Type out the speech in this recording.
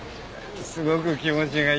すごく気持ちがいいよ。